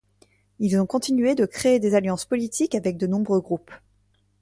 Ils ont continué de créer des alliances politiques avec de nombreux groupes.